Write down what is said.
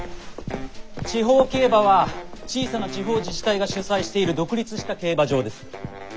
地方競馬は小さな地方自治体が主催している独立した競馬場です。